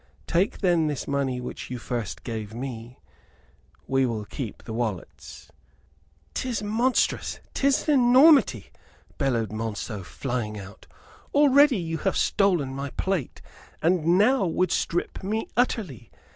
Take then this money which you first gave me; we will keep the wallets." "'Tis monstrous! 'Tis an enormity," bellowed Monceux, flying out. "Already you have stolen my plate, and now would strip me utterly!